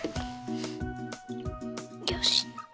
よし。